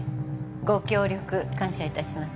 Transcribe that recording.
ご協力感謝いたします。